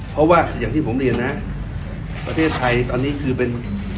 เพราะว่าอย่างที่ผมเรียนนะประเทศไทยตอนนี้คือเป็น